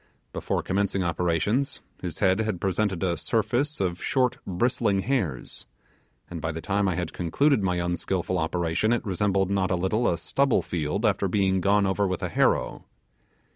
Before commencing operations, his head had presented a surface of short bristling hairs, and by the time I had concluded my unskilful operation it resembled not a little a stubble field after being gone over with a harrow.